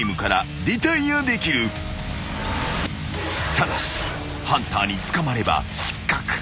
［ただしハンターに捕まれば失格］